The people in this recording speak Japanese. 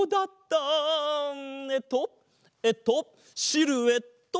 えっとえっとシルエット！